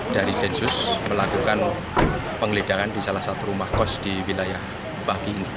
dari densus melakukan penggeledahan di salah satu rumah kos di wilayah pagi ini